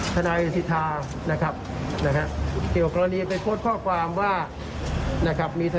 ธนายสิทธานะครับ